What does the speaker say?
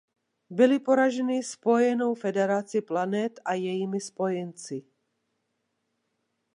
Byli poraženi Spojenou federací planet a jejími spojenci.